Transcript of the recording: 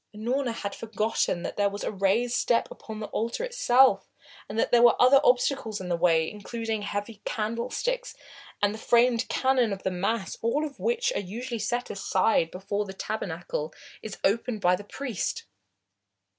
Unorna had forgotten that there was a raised step upon the altar itself, and that there were other obstacles in the way, including heavy candlesticks and the framed Canon of the Mass, all of which are usually set aside before the tabernacle is opened by the priest.